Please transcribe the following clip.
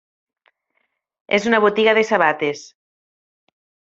És una botiga de sabates.